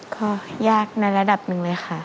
ก็ยากในระดับหนึ่งเลยค่ะ